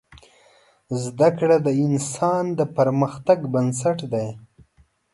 زده کړه د انسان د پرمختګ بنسټ دی.